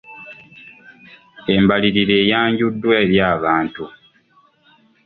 Embalirira eyanjuddwa eri abantu.